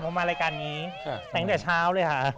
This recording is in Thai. ผมมารายการนี้แต่งแต่เช้าเลยค่ะ